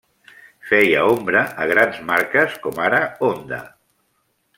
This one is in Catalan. Feia ombra a grans marques com ara Honda.